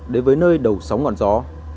để với nơi đầu sóng ngọn gió